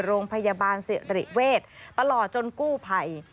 โรงพยาบาลเสร็จหลีเวทย์ตลอดจนกู้ภัย